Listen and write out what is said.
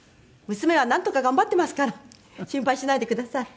娘はなんとか頑張ってますから心配しないでください。